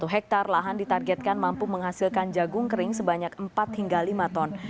satu hektare lahan ditargetkan mampu menghasilkan jagung kering sebanyak empat hingga lima ton